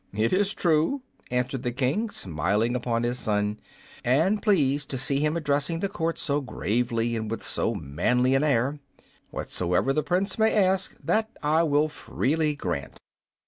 "It is true," answered the King, smiling upon his son, and pleased to see him addressing the court so gravely and with so manly an air; "whatsoever the Prince may ask, that will I freely grant."